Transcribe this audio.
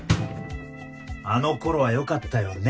あの頃はよかったよね